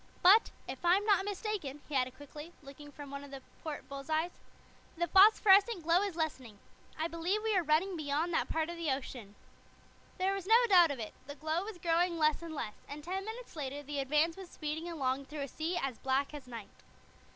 But, if I'm not mistaken," he added quickly, looking from one of the port bull's eyes, "the phosphorescent glow is lessening. I believe we are running beyond that part of the ocean." There was no doubt of it, the glow was growing less and less, and ten minutes later the Advance was speeding along through a sea as black as night.